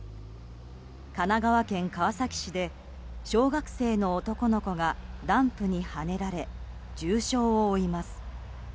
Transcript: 神奈川県川崎市で小学生の男の子がダンプにはねられ重傷を負います。